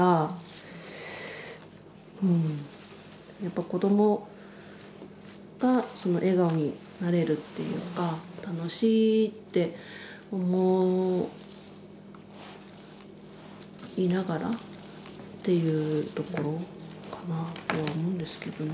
やっぱ子どもが笑顔になれるっていうか楽しいって思いながらっていうところかなとは思うんですけどね。